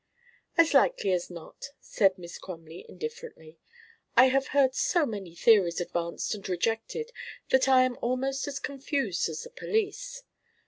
"As likely as not," said Miss Crumley indifferently. "I have heard so many theories advanced and rejected that I am almost as confused as the police.